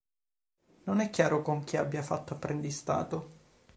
Non è chiaro con chi abbia fatto apprendistato.